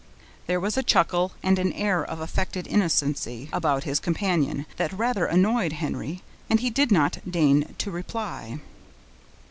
There was a chuckle, and an air of affected innocency about his companion, that rather annoyed Henry, and he did not deign to reply.